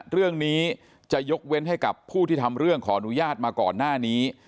เรื่องนี้จะยกเว้นให้กับผู้ที่ทำเรื่องขออนุญาตมาก่อนหน้านี้